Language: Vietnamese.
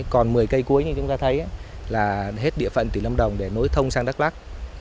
còn một mươi cây cuối như chúng ta thấy là hết địa phận tỉnh lâm đồng để nối thông sang đắk lắc